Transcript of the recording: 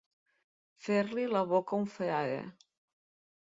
Fer-li la boca un frare.